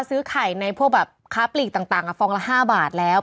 ซื้อไข่ในพวกแบบค้าปลีกต่างฟองละ๕บาทแล้ว